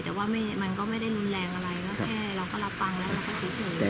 แต่ว่าไม่มันก็ไม่ได้รุนแรงอะไรแล้วแค่เราก็รับฟังแล้วแล้วก็เฉยเฉย